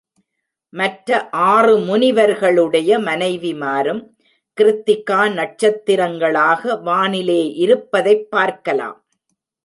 மற்ற ஆறு முனிவர்களுடைய மனைவிமாரும் கிருத்திகா நட்சத்திரங்களாக வானிலே இருப்பதைப் பார்க்கலாம்.